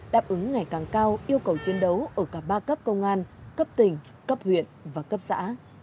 đáp ứng ngày càng cao yêu cầu chiến đấu ở cả ba cấp công an cấp tỉnh cấp huyện và cấp xã